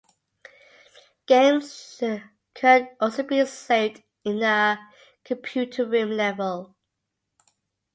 Games could also be saved in a "computer room" level.